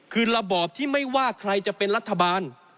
คือระบอบที่ไม่ว่าใครจะเป็นรัฐบาล